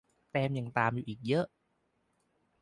แต้มยังตามอยู่อีกเยอะ